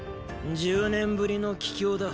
十年ぶりの帰郷だ。